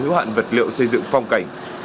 thiếu hạn vật liệu xây dựng phong cảnh